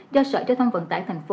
do sở cho thân vận tải thành phố